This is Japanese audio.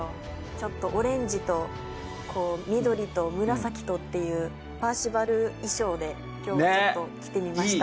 ちょっとオレンジと緑と紫とっていうパーシバル衣装で今日はちょっときてみました